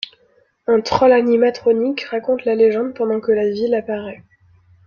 Un troll animatronique raconte la légende pendant que la ville apparaît.